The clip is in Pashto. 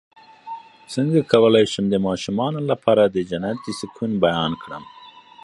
څنګه کولی شم د ماشومانو لپاره د جنت د سکون بیان کړم